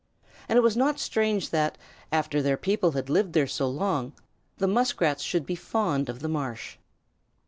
And it was not strange that, after their people had lived there so long, the Muskrats should be fond of the marsh.